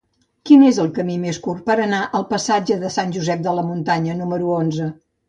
Quin és el camí més curt per anar al passatge de Sant Josep de la Muntanya número onze?